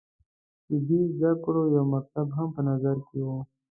طبي زده کړو یو مکتب هم په نظر کې وو.